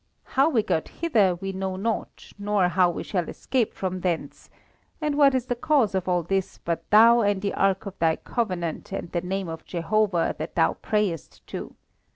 How we got hither we know not nor how we shall escape from thence; and what is the cause of all this but thou and the Ark of thy Covenant and the name of Jehovah that thou prayest to?